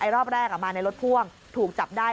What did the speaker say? รอบแรกมาในรถพ่วงถูกจับได้